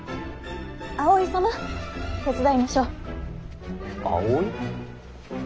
葵様手伝いましょう。